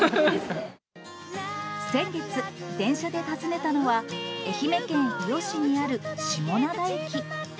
先月、電車で訪ねたのは、愛媛県伊予市にある下灘駅。